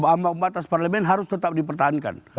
ambang batas parlemen harus tetap dipertahankan